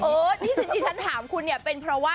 เอาหรอกจริงที่ฉันถามคุณเวลาเนี่ยเป็นเพราะว่า